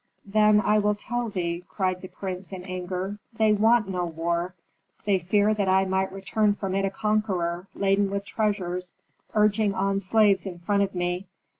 "Then I will tell thee," cried the prince, in anger. "They want no war! They fear that I might return from it a conqueror, laden with treasures, urging on slaves in front of me.